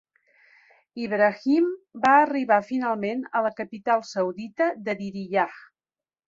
Ibrahim va arribar finalment a la capital saudita de Diriyah.